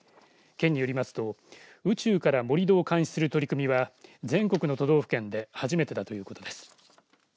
県によりますと宇宙から盛り土を監視する取り組みは全国の都道府県で初めてだということです。